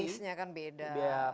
pacenya kan beda